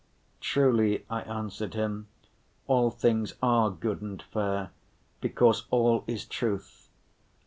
"Truly," I answered him, "all things are good and fair, because all is truth.